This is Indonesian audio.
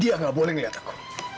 dia gak boleh ngeliat aku